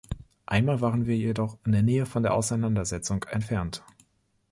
Einmal waren wir jedoch in der Nähe von der Auseinandersetzung entfernt.